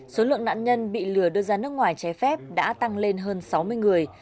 số lượng nạn nhân bị lừa đưa ra nước ngoài trái phép đã tăng lên hơn sáu mươi người